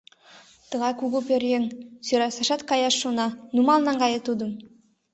— Тыгай кугу пӧръеҥ — сӧрасашат каяш шона — нумал наҥгае тудым!